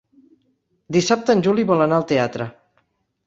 Dissabte en Juli vol anar al teatre.